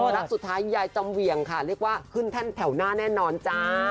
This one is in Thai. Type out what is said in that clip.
รักสุดท้ายยายจำเวียงค่ะเรียกว่าขึ้นแท่นแถวหน้าแน่นอนจ้า